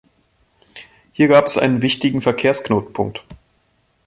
Hier gab es einen wichtigen Verkehrsknotenpunkt.